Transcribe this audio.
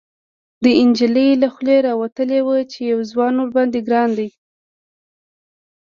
، د نجلۍ له خولې راوتلي و چې يو ځوان ورباندې ګران دی.